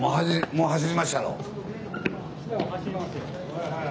もう走りまっしゃろ。